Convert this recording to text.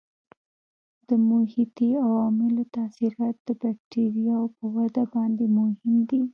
د محیطي عواملو تاثیرات د بکټریاوو په وده باندې مهم دي.